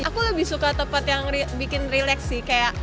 aku lebih suka tempat yang bikin relax sih